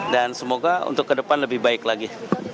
dan semoga untuk ke depan lebih baik lagi